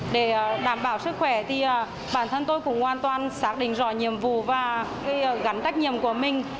để đảm bảo sức khỏe thì bản thân tôi cũng hoàn toàn xác định rõ nhiệm vụ và gắn trách nhiệm của mình